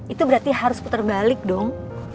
itu berarti harus putar balik dong